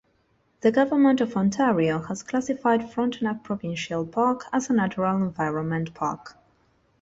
The Government of Ontario has classified Frontenac Provincial Park as a natural environment park.